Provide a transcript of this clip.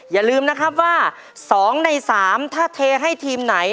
อย่าลืมนะครับว่า๒ใน๓ถ้าเทให้ทีมไหน